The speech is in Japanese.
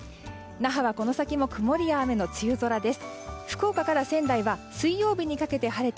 那覇はこの先も曇りや雨の梅雨空です。